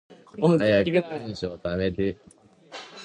早く文章溜めて